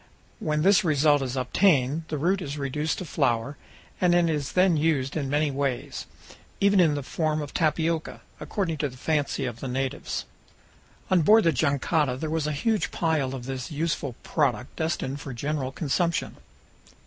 When this result is obtained, the root is reduced to flour, and is then used in many ways, even in the form of tapioca, according to the fancy of the natives. On board the jangada there was a huge pile of this useful product destined for general consumption.